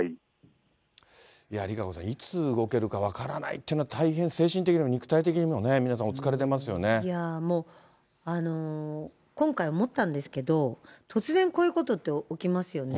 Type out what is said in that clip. ＲＩＫＡＣＯさん、いつ動けるか分からないというのは、大変精神的にも肉体的にも、皆さんおいやー、もう、今回思ったんですけど、突然こういうことって起きますよね。